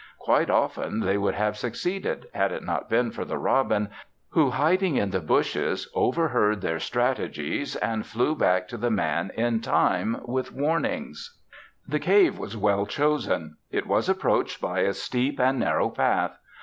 Quite often they would have succeeded, had it not been for the robin, who hiding in the bushes, overheard their strategies and flew back to the Man in time with warnings. The cave was well chosen. It was approached by a steep and narrow path.